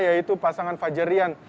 yaitu pasangan fajarian